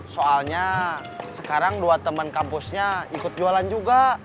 soalnya sekarang dua teman kampusnya ikut jualan juga